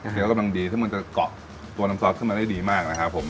กำลังดีที่มันจะเกาะตัวน้ำซอสขึ้นมาได้ดีมากนะครับผม